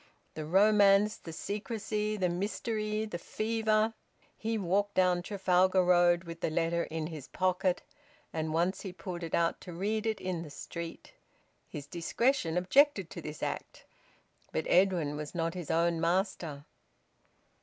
The romance, the secrecy, the mystery, the fever! He walked down Trafalgar Road with the letter in his pocket, and once he pulled it out to read it in the street. His discretion objected to this act, but Edwin was not his own master.